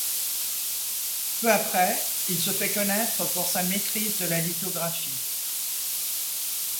Peu après, il se fait connaître pour sa maîtrise de la lithographie.